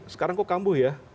sekarang kok kambuh ya